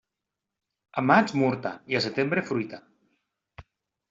A maig murta, i a setembre fruita.